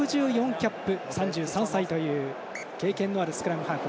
キャップ３３歳という経験のあるスクラムハーフ。